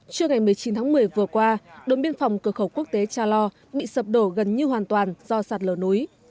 trưa ngày một mươi chín tháng một mươi vừa qua đồn biên phòng cửa khẩu quốc tế cha lo bị sập đổ gần như hoàn toàn do sạt lở núi